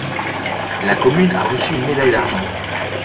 La commune a reçu une médaille d'argent.